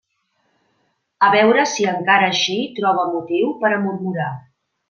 A veure si encara així troba motiu per a murmurar.